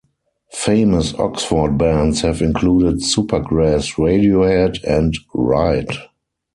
Famous Oxford bands have included Supergrass, Radiohead and Ride.